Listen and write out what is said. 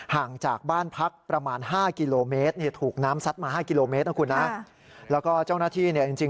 ห่างจากบ้านพักประมาณ๕กิโลเมตร